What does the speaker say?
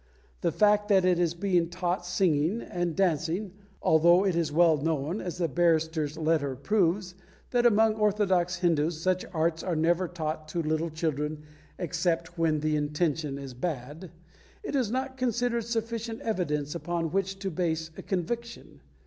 The fact that it is being taught singing and dancing (although it is well known, as the barrister's letter proves, that among orthodox Hindus such arts are never taught to little children except when the intention is bad) is not considered sufficient evidence upon which to base a conviction.